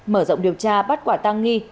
mở rộng điều tra bắt quả tăng nghi